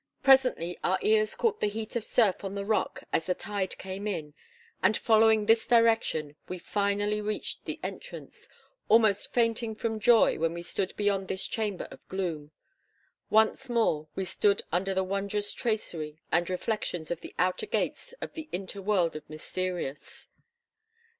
Presently our ears caught the heat of surf on the rock as the tide came in, and following this direction, we finally reached the entrance, almost fainting from joy when we stood beyond this chamber of gloom. Once more we stood under the wondrous tracery and reflections of the outer gates of the inter world of mysterious."